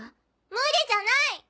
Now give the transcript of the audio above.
無理じゃない！